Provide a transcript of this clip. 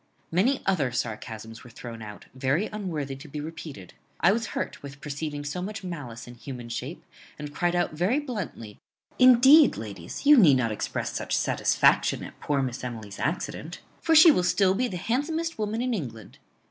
Many other sarcasms were thrown out, very unworthy to be repeated. I was hurt with perceiving so much malice in human shape, and cried out very bluntly, Indeed, ladies, you need not express such satisfaction at poor Miss Emily's accident; for she will still be the handsomest woman in England.